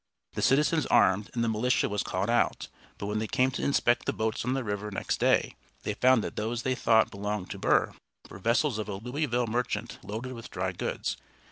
The citizens armed, and the militia was called out, but when they came to inspect the boats on the river next day they found that those they thought belonged to Burr were vessels of a Louisville merchant loaded with dry goods.